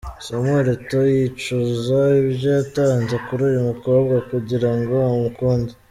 Samuel Eto’o yicuza ibyo yatanze kuri uyu mukobwa kugira ngo amukunde.